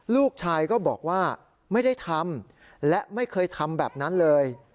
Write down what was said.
ลูกชายก็บอกว่าไม่ได้ทำและไม่เคยทำแบบนั้นเลย